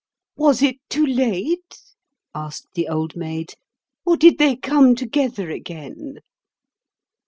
"Was it too late," asked the Old Maid, "or did they come together again?"